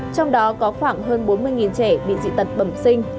trong đó có khoảng hơn bốn mươi trẻ bị dị tật bẩm sinh